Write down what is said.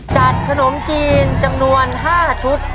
ขนมจีนจำนวน๕ชุด